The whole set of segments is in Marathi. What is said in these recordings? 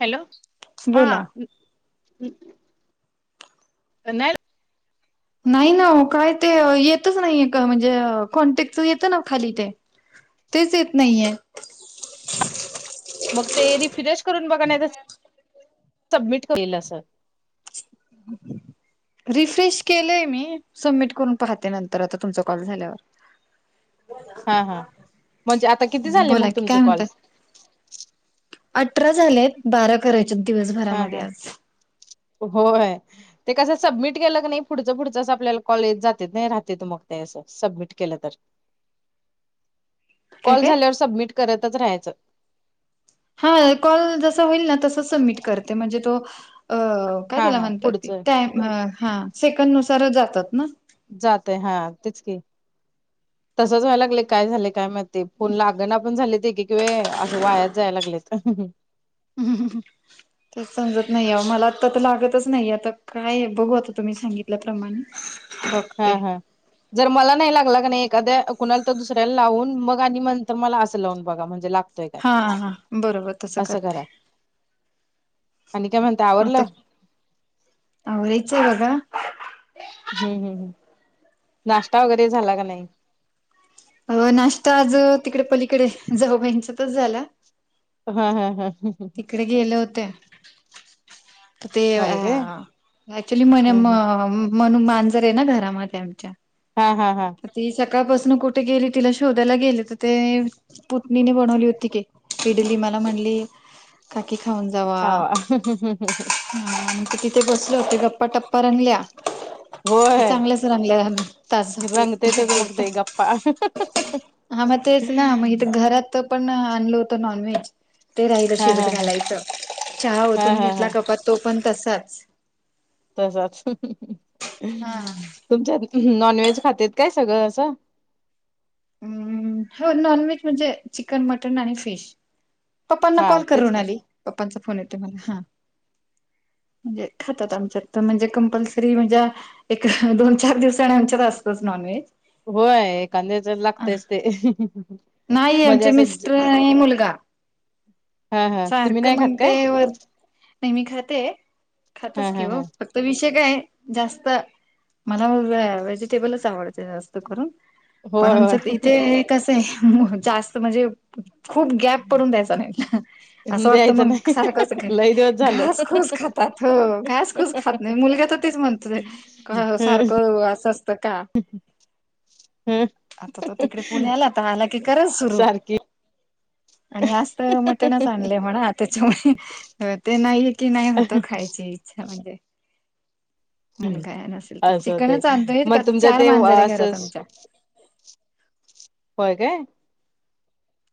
हॅलो? हा, बोला नाही ना ओ, काय ते येतच नाही म्हणजे कॉन्टॅक्टच येतं ना खाली ते तेच येत नाहीये मग ते रिफ्रेश करून बघा, नाहीतर सबमिट करा असं [unintelligible] [inaudible] रिफ्रेश केलंय मी, सबमिट करून पाहते, नंतर आता तुमचा कॉल झाल्यावर हा. हा. म्हणजे आता किती झाले मग बोला की तुमचे काय कॉल? म्हणताय अठरा झालेत, बारा करायचे आहेत, हा दिवसभरामध्ये हा आज. होय. ते कसं सबमिट केलं की नाही, पुढचं-पुढचच आपल्याला कॉल येत जातेत नाही, राहतेेत मग ते असं सबमिट केलं तर, काय कॉल काय झाल्यावर सबमिट करतच राहायचं. हा, कॉल जसा होईल ना, तस सबमिट कर म्हणजे तो अ काय हा त्याला हा म्हणतात, पुढचं हा सेकंड नुसारच जातात ना? जातय हा, तेच कि तसच व्हायला लागलय, काय झालेय काय ते फोन लागना पण झालेत एक एक वेळ, किवा असं वायात जायला लागलेत. हम. ते समजत नाही आहो, मला आता तर लागतच नाही, आता काय बघू आता तुम्ही सांगितल्याप्रमाणे हा बघते. हा जर मला नाही लागला का नाही एखाद्या कुणाला तर दुसऱ्याला लावून, मग आणि नंतर मला असं लावून बघा म्हणजे ला हा. हा. बरोबर तसं करते. आणि काय म्हणताय, आवरलं? आवरायचं आहे बघा हम्म, हम्, हम्. नाश्ता वगैरे झाला का नाही? अ नाश्ता आज तिकडे पलीकडे, जाऊबाईच्यातच झाला. हा. हा. हा. हा. तिकडे गेले होते. ते अ होय काय ऍक्च्युली म्हणे, हा मनू म्हणून मांजर आहे ना घरामध्ये आमच्या हा. हा. हा. ती सकाळपासून कुठे गेली, तिला शोधायला गेले तर ते पुतनीने बनवली होती, क इडली मला म्हणली काकी खाऊन जावा. खावा ह आणि ते तिथे बसले होते, गप्पा-टप्पा रंगल्या होय चांगलंच रंगल्या, तास एक तास रंगतेतच दीड मग ते तास गप्पा हा हा मग तेच ना, मग इथ घरात पण आणल होत नॉनव्हेज, ते रा हा शिजत हा घालायच, चहा हा ओतून हा हा घेतला कपात, तो पण तसाच तसाच, हा तुमच्यात नॉनव्हेज खातेत काय सगळं असं? हम्! हो नॉन व्हेज म्हणजे चिकन, मटन, आणि फिश पप्पांना हा कॉल तेच करून आली पप्पांचा फोन येते मला हा म्हणजे खातात आमच्यात तर म्हणजे कंपल्सरी म्हणजे एक दोन चार दिवसाने आमच्यात असतोच नॉन व्हेज होय. कांद्या तर लागतेच ते नाही म्हणजे आमचे असं. मिस्टर आणि मुलगा हा हा तुम्ही सारखं नाही खात मग काय. ते वर नाही मी खाते हा खातच की हा हो हा त विषय काय जास्त मला व्हेजिटेबलच आवडतं जास्त करून पण होय होय आमचं इथे कसं आहे जास्त म्हणजे खूप गॅप पडून द्यायचा नाही असं वाटतं द्यायचं मग नाही सारख लय दिवस झालं घास खुस खात. त घास कुस खात नाही मुलग्याच तेच म्हणत सारखं असं असतं का ह ठीक. आता तो तिकडे पुण्याला तर आला की करल सुरू. सारखी आणि आज तर मटणच आणलंय म्हणा आताच्यामुळे ते नाही. की नाही होतं खायची इच्छा म्हणजे. नसेल तर असं होतय चिकनच आणतो नाहीत मग का तुमच्या चार ते मांजरे असं घरात आमच्या. हो काय.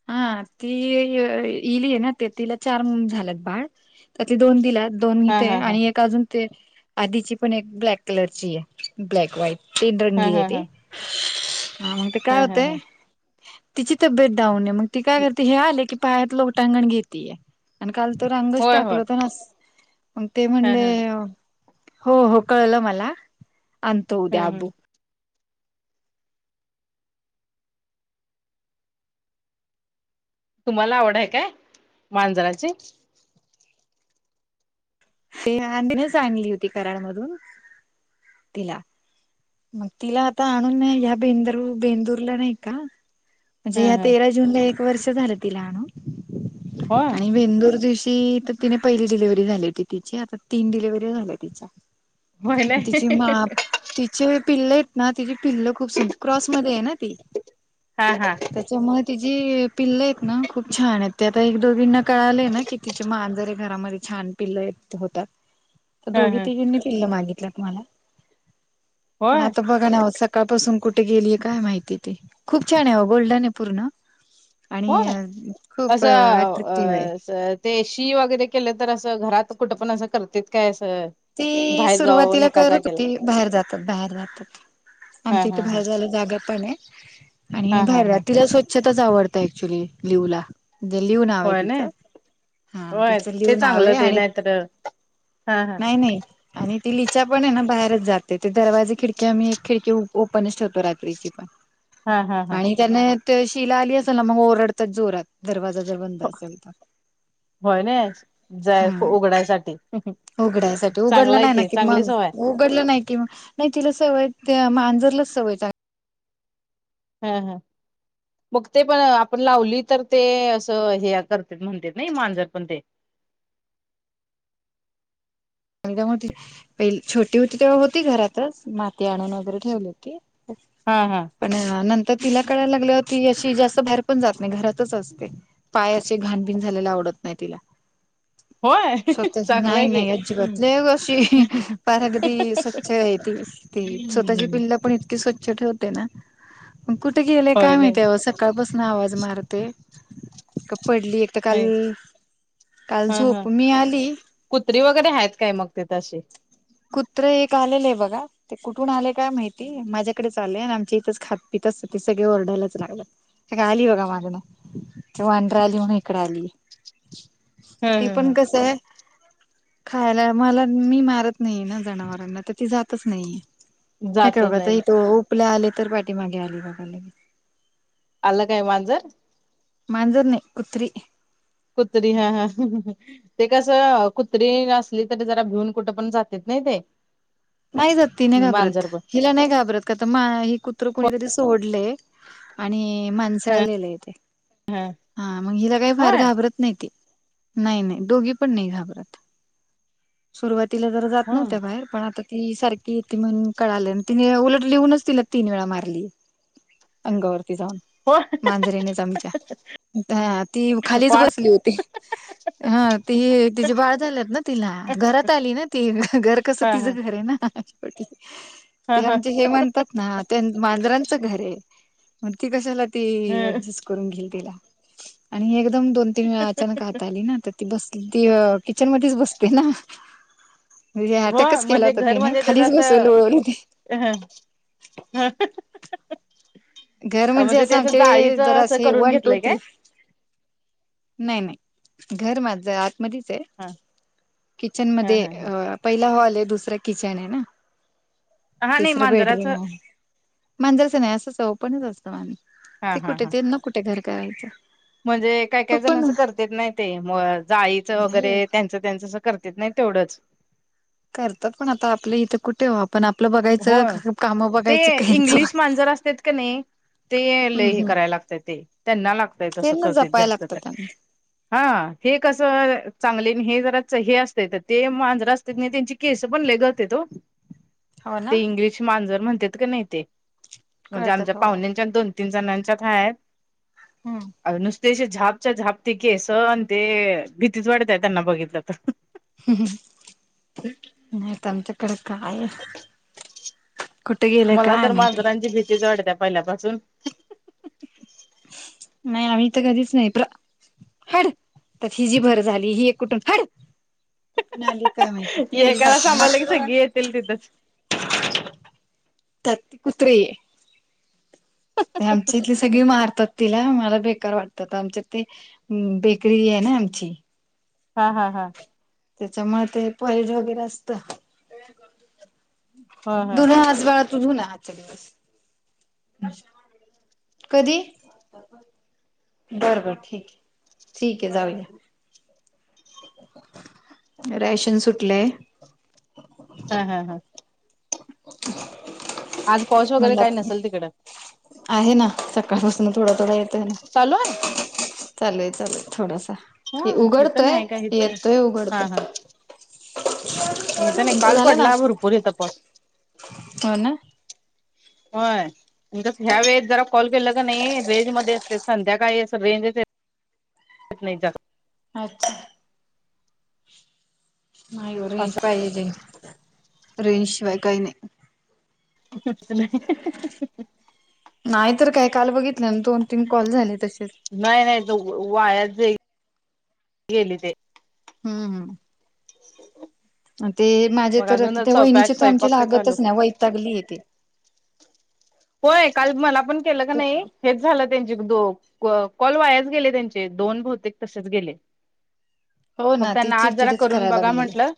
हा ती इईलीय ना ते तिला चार झालंत बाळ त्यातली दोन तिला. दोन हा आहे हा हा आणि एक अजून ते आधीची पण एक ब्लॅक कलर ची आहे ब्लॅक व्हाईट. तीन हा हा रंगीेत. हा हा मग ते काय हा हा हा होतय तिची तब्येत डाऊन आहे मग ती काय करते हे आले की. पायात लोटांगण घेतीय. आणि काल तर अंगच होय टाकल होय होत ना असं मंग ते हा म्हणले हा हो हो कळलं मला आणतो ह उदया ह आबू तुम्हाला आवड हाय काय मांजराची. स्नेहा आंटी नीच आणली होती कराड मधून तिला. मग तिला आता आणून ह्या बेंदर बेंदूरला नाही का. ह म्हणजे या ह तेरा जुनला एक वर्ष झाल तिला आणून. होय. आणि बेंदूर दिवशी तर तिने पहिली डिलिव्हरी झाली होती तिची आता तीन डिलिव्हरी झाल्या तिच्या. होय नाही तिची माप ती शी व्हय पिल्ल आहेत ना तिची पिल्ल खूप सुंदर क्रॉसमध्ये आहे ना ती. हा हा. त्याच्यामुळे तिची पिल्ल हेत ना खूप छान आहेत ते आता एक दोघींना कळाले ना की तिचे मांजरे घरामध्ये छान पिल्लयत ते होतात ह दोघी ह तिघींनी पिल्ल मागितल्यात मला पण होय आता बघा ना ओ सकाळपासून कुठे गेलीय काय माहिती ती खूप छान आहे गोल्डनये पूर्ण. होय आणि खूप असं अ अट्रॅक्टिव्ह आहे. असं ते शी वगैरे केलं तर असं घरात कुठं पण असं करतेत काय असं ती बाहेर जाऊन सुरुवातीला एका करत जागेला होती बाहेर जातात बाहेर जातात. हा आमच्या इथे हा हा बाहेर झाला जागा पण आहे आणि हा हा बाहेर हा रात्रीला स्वच्छ. छतच आवडत ऍक्च्युली लिव ला. लिव नाव आहे होय ना तिचं हा तिचं लिह नाव आहे आणि. तर. हा. नाही नाही आणि ती लिचा पण आहे ना बाहेरच जाते ते दरवाजी खिडकी आम्ही एक खिडकी. ओपनच ठेवतो रात्रीची पण हा हा हा आणि त्याना. शि ला आली असल ना मग ओरडतात जोरात दरवाजा. जर बंद असेल तर. होय नाही जाय उघडायसाठी. उघडासाठी चांगला उघडलं आहे नाही ना की चांगली मग. सवय उघडलं नाही कि नाही तिला सवय मांजरलाच सवय. हा हा. मग ते पण आपण लावली तर ते असं हे करत म्हणते नाही मांजर पण ते संंगामध्ये पहि छोटी होती तेव्हा होती घरातच माती आणून वगैरे ठेवली होती हा हा पण नंतर तिला कळायला लागल्यावर ती अशी जास्त बाहेर पण जात नाही घरातच असते पाय असे घाणबीण झालेला आवडत नाही तिला होय स्वतःच नाही चांगलंय की नाही अजिबात ज अशी पार अगदी स्वच्छ आहे त ती स्वतःची पिल्ल पण स्वच्छ ठेवते ना कुठे गेले होय काय नाही माहिती सकाळपासून आवाज मारते पडली तर काल काल हा हा झोप मी आली कुत्री वगैरे आहेत काय मग ते तशी. कुत्र एक आलेलं आहे बघा ते कुठून आले काय माहिती माझ्याकडेच आले आणि आमच्या इथंच खातपीितचत ते सगळे ओरडायलाच लागलं हे काय आली बघा माझ्या मागण ते वांढरं आली म्हणून इकडे आली हम् ते हम पण कस आहे खायला मला मी मारत नाही ना जनावरांना तर त जातच नाही हम हे जात काय नाही बघाता तो आपल्या आले तर पाठी मागे आली बघा लगे आलं काय मांजर मांजूर नाही कुत्रि कुत्री हा हा ते कसं कुत्री असली तरी जरा भिऊन कुठं पण जातेत नाही ते नाही जात ती नाही घाबरत मांजर पण हिला नाही घाबरत का तर कुत्र कुणीतरी सोडले आणि मा माणसाळलेल आहे ते ह मग हिला काही फार होय घाबरत नाही ते नाही नाही दोघी पण नाही घाबरत सुरुवातीला तर जात हम नव्हत्या बाहेर पण आता ती सारखी येते म्हण कळाले तिने उलटलीहऊनच तिला तीन वेळा मारली अंगावरती जाऊन हो मांजरेनेच आमच्या ती खालीच वाढ बसली होती हा ती तिचे बाळ झालंत ना तिला घरात आली ना ती घर कसं ह तिझं ह ह ते ह आमचे हे म्हणतात ना मांजरांचं घर आहे मग ती कशाला ती ह अऍडजस्ट करून घेईल तिला आणि एकदम दोन तीन वेळा अचानक तर ती बस किचन मच बसते ना म्हणजे आता हो कस केला म्हणजे तर तिने खालीच बसेल लोळवली होती अ ह घर म्हणजे असं त्याच आमचे जाळीच जरा असं असे करून वन टू घेतलंय काय थ्री नाही नाही घर माझं आतमध्येच आहे हा किचन मध्ये अ पहिला हॉल आहे दुसरा किचन आहे ना हा नाही तिसरं मांजराच बेडरूम आहे मांजरचं नाही असंच आहे ओपनच असतं हा ते हा कुठे हा ते ना कुठे घर करायचं म्हणजे काही हो काही जण पण असं करत नाही ते म जाईचं नाही वगैरे हो. त्यां त्यांच अस करत नाही तेवढंच करतात पण आता आपल्या इथे कुठे वार पण आपलं हो बघायचं काम ते बघायची काहीच इंग्लिश मांजर असतात का नाही ते लय हम् हे हम् करायला लागतय ते त्यांना लागतयसं त्यांना करते जपायला जास्त लागतं तर त्यांना हा हे कसं चांगले हे जरा हे असते तर ते मांजरा त्यांनी त्यांची केस पण लय गळतात ओ हो ना ते इंग्लिश मांजर म्हणतात का नाही ते म्हणजे आमच्या कळतात हो पाहुण्यांच्या दोन एकएक जणांच्या हायत हम्. अगं नुसते असं झापच्या झाप ते केंस आणि ते भीतीच वाटत्या त्यांना बघितलं तर. हं हं नाहीत आमच्याकडे काय कुठे गेलं मला काय तर माहिती मांजरांची भीतीच वाटत्या पहिल्यापासून. नाही आम्ही तर कधीच नाही प्र हाड त्यात हिजी भर झाली ही एक कुठून हाड कुठून आली. काय माहिती ती तेल तिथच. त्यात ते कुत्रे. ते आमच्या इथले सगळे मारतात तिला मला बेकार वाटतं आमच्यात ते बेकरी आहे ना आमची. हा हा हा. त्याच्यामुळ ते पैज वगैरे असत, हा हा धुन आज वाळत तू धुना आजच्या दिवस, कधी? बरं बरं ठीक आहे, ठीक आहे जाऊया. रॅशन सुटलंय हा हा हा. आज पाऊस वगैरे म्हणलं काय नसल तिकडं. आहे ना सकाळपासन थोडा थोडा येतोय ना. चालू आहे. चालू आहे चालू आहे थोडंसं. हा तिथं नाही काही तो हा उघडतोय हा इथं नाही तुमचं काल झालं ना पडला भरपूर इथं पाऊस. हो ना. होय, उद्या ह्या वेळेस जरा कॉल केला क नाही रेंजमध्ये असते संध्याकाळी असं रेंजच येत नाही जास्त. अच्छा. नाही वो रेंज पाहिजे, रेंज शिवाय काही नाही. सुटत नाही हं हं हं हं नाही तर काय काल बघितलं ना दोन तीन कॉल झाले तसेच नाही नाही तो वायास जाईल, गेली ते. हम्म हम. [inaudible] ते माझे मग तर अजून त्या स्वयंपाक वहिनीचे तर आमचे स्वयंपाक ते चालू लागतच नाही वैतागली ती. होय काल मला पण केलं का ती नाही हेच झालं त्यांचे दो कॉल वायाच गेले त्यांचे दोन बहुतेक तसेच गेले. हो मग ना ती त्यांना आज जरा चिडचिडच करून करायला बघा लागली म्हंटलं.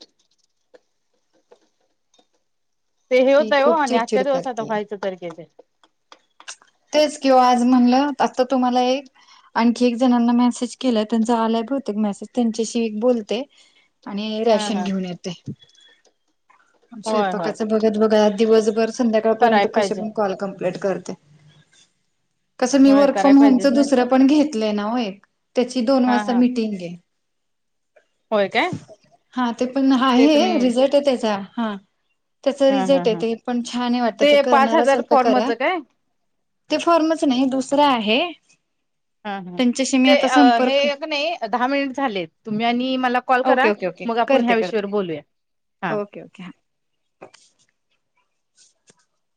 ते हे ती होते वो खूप आणि आजचा चिडचिड दिवस होतं करते व्हायचं तर केलं तेच किंवा आज म्हणलं आता तुम्हाला एक आणखी एक जणांना मेसेज केलाय त्यांचा आलाय बहुतेक मेसेज त्यांच्याशी एक बोलते. आणि हा ऱ्याशन हा घेऊन येते. होय होय स्वयंपाकाच बघत बघत आज दिवसभर कराय संध्याकाळपर्यंत कशे पाहिजे पण कॉल कंप्लीट करते. कसं मी होय वर्क कराय फ्रॉम होमच पाहिजेच ना दुसर्या पण घेतले ना वो एक, त्याची दोन हा वाजता हा मिटिंग हे. होय काय हा ते पण हा ते हे तुम्ही रिझल्ट आहे त्याचा हा. त्याच हा हा रिझल्ट आहे हा ते पण छान आहे वाटतं ते पाच करणार असेल हजार तर करा फॉर्मच काय ते फॉर्मच नाही दुसरं आहे. हा हा त्यांच्याशी मी ते आता हे संपर्क एक नाही दहा मिनिटं झाले तुम्ही आणि मला कॉल ओके करा ओके ओके मग आपण करते ह्या करते विषयावर बोलूया हा ओके ओके हां [inaudible]